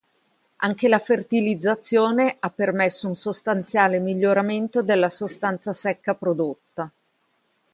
Anche la fertilizzazione ha permesso un sostanziale miglioramento della sostanza secca prodotta.